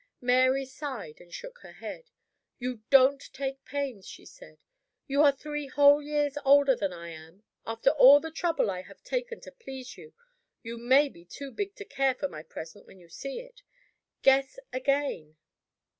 Mary sighed, and shook her head. "You don't take pains," she said. "You are three whole years older than I am. After all the trouble I have taken to please you, you may be too big to care for my present when you see it. Guess again."